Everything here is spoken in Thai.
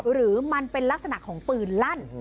หรือมันเป็นลักษณะของปืนลั่น